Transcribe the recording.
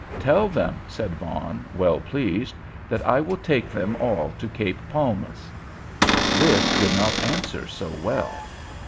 "Tell them," said Vaughan, well pleased, "that I will take them all to Cape Palmas." This did not answer so well.